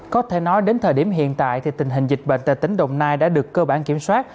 có thể nói đến thời điểm hiện tại thì tình hình dịch bệnh tại tỉnh đồng nai đã được cơ bản kiểm soát